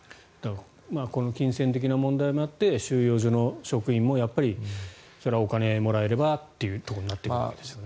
この金銭的な問題もあって収容所の職員もそれはお金をもらえればということになってくるんでしょうね。